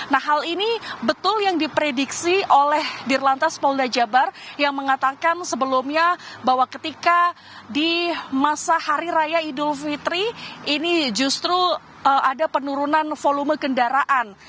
nah hal ini betul yang diprediksi oleh dirlantas polda jabar yang mengatakan sebelumnya bahwa ketika di masa hari raya idul fitri ini justru ada penurunan volume kendaraan